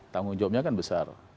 tanggung jawabnya kan besar